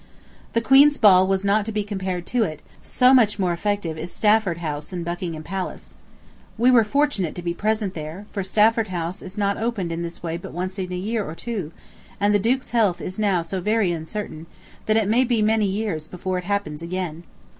The Queen's Ball was not to be compared to it, so much more effective is Stafford House than Buckingham Palace. ... We were fortunate to be present there, for Stafford House is not opened in this way but once in a year or two, and the Duke's health is now so very uncertain, that it may be many years before it happens again.